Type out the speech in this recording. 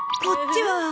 こっちは？